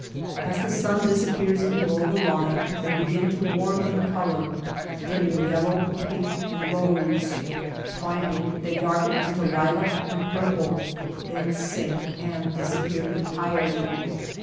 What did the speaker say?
As the sun disappears below the line they begin to warm in color, turning yellow, pink, and rose. Finally they darken into lilac and purple, then sink and disappear entirely.